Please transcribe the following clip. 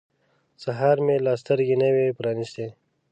سهار مې لا سترګې نه وې پرانیستې.